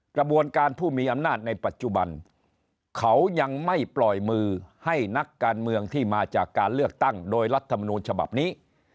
กระบวนการผู้มีอำนาจในปัจจุบันเขายังไม่ปล่อยมือให้นักการเมืองที่มาจากการเลือกตั้งโดยรัฐมนูลฉบับนี้